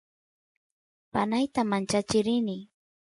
panayta manchachiy rini